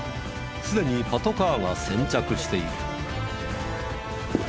すでにパトカーが先着している。